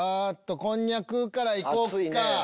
こんにゃくからいこうか。